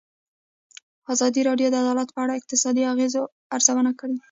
ازادي راډیو د عدالت په اړه د اقتصادي اغېزو ارزونه کړې.